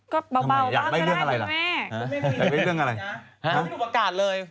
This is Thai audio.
ก็เบาก็ได้ตัวแม่นะฮะฮืมนะฮะแล้วไม่รู้ประกาศเลย